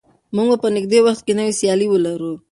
موږ به په نږدې وخت کې نوې سیالۍ ولرو.